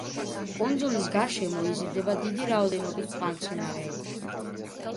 კუნძულის გარშემო იზრდება დიდი რაოდენობით წყალმცენარეები.